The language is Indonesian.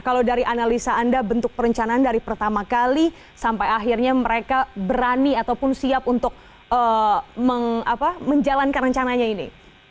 kalau dari analisa anda bentuk perencanaan dari pertama kali sampai akhirnya mereka berani ataupun siap untuk menjalankan rencananya ini